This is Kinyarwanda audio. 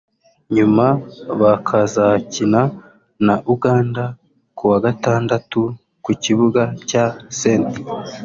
nyuma bakazakina na Uganda ku wa Gatandatu ku kibuga cya St